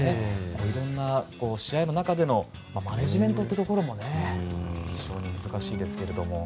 いろんな、試合の中でのマネジメントというところもね非常に難しいですが。